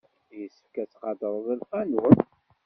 Yessefk ad tqadreḍ lqanun.